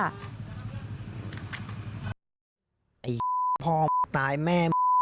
ไอ้พ่อตายแม่